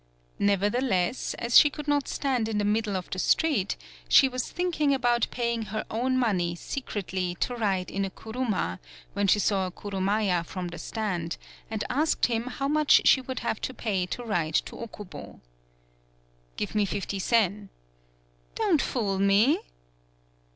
Nevertheless, as she could not stand in the middle of the street, she was thinking about paying her own 85 PAULOWNIA money secretly to ride in a Kuruma, when she saw a Kurumaya from the stand, and asked him how much she would have to pay to ride to Okubo. "Give me fifty sen." "Don't fool me."